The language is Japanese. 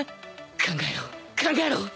考えろ考えろ！